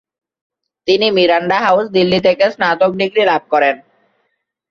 তিনি Miranda House, Delhi থেকে স্নাতক ডিগ্রি লাভ করেন।